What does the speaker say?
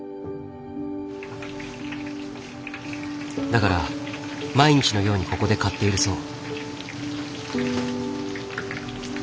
だから毎日のようにここで買っているそう。